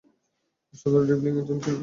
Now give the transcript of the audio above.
অসাধারণ ড্রিবলিং-এর জন্য তিনি বিখ্যাত ছিলেন।